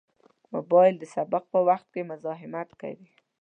موبایل د سبق په وخت کې مزاحمت کوي.